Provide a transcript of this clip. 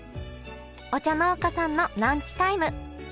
お茶農家さんのランチタイム。